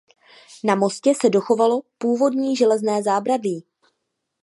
Na mostě se dochovalo původní železné zábradlí.